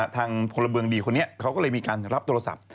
ทางพลเมืองดีคนนี้เขาก็เลยมีการรับโทรศัพท์